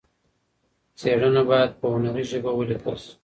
څېړنه باید په هنري ژبه ولیکل سي.